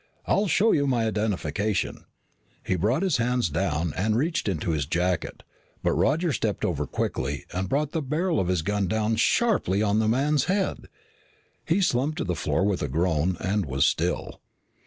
"I'll show you my identification " He brought his hands down and reached into his jacket, but Roger stepped over quickly and brought the barrel of his gun down sharply on the man's head. He slumped to the floor with a groan and was still.